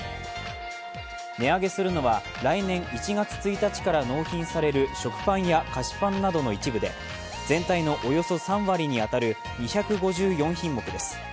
値上げするのは来年１月１日から納品される食パンや菓子パンなどの一部で、全体のおよそ３割に当たる２５４品目です。